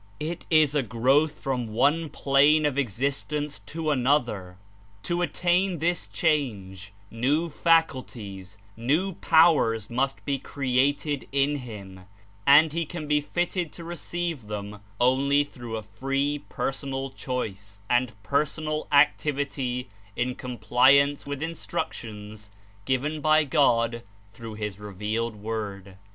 It Is a growth from one plane of ex istence to another. To attain this change, new facul ties, new powers must be created in him, and he can t68 be fitted to receive them only through a free personal choice and personal activity In compliance with in structions given by God through his revealed Word.